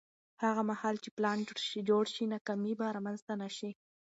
هغه مهال چې پلان جوړ شي، ناکامي به رامنځته نه شي.